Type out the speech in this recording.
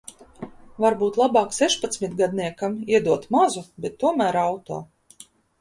Varbūt labāk sešpadsmitgadniekam iedot mazu, bet tomēr auto.